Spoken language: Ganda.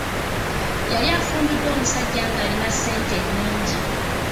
Yali afumbiddwa omusajja ng'alina ssente nyingi.